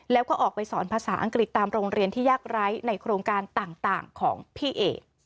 แล้วก็ออกไปสอนภาษาอังกฤษตามโรงเรียนที่ยากไร้ในโครงการต่างของพี่เอก